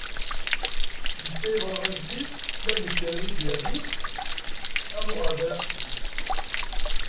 Netta yebɣa ajdid, ma d nekk yerra-yi di rrif am uɣerbal aqdim.